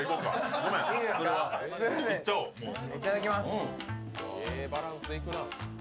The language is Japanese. いただきます。